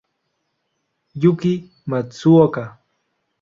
Yūki Matsuoka